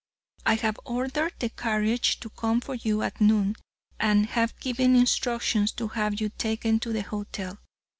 I have ordered the carriage to come for you at noon, and have given instructions to have you taken to the hotel.